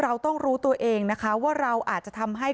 เราต้องรู้ตัวเองนะคะว่าเราอาจจะทำให้